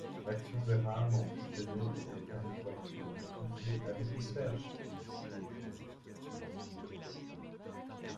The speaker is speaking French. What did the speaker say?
L’action des rames en fut gênée, et Pencroff dut pousser avec une perche.